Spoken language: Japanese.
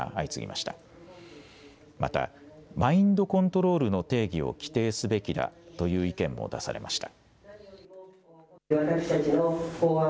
またマインドコントロールの定義を規定すべきだという意見も出されました。